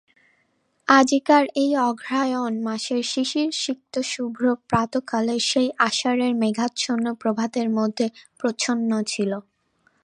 আজিকার এই অগ্রহায়ণ মাসের শিশিরসিক্ত শুভ্র প্রাতঃকালে সেই আষাঢ়ের মেঘাচ্ছন্ন প্রভাতের মধ্যে প্রচ্ছন্ন ছিল।